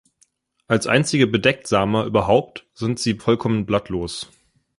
Als einzige Bedecktsamer überhaupt sind sie vollkommen blattlos.